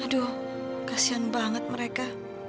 aduh kasihan banget mereka